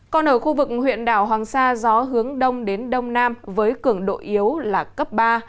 còn ở khu vực huyện đảo hoàng sa gió hướng đông đến đông nam với cường độ yếu là cấp ba